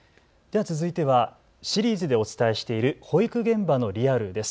続いてはシリーズでお伝えしている保育現場のリアルです。